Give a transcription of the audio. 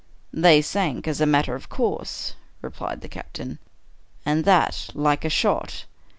" They sank as a matter of course," replied the captain, *' and that like a shot.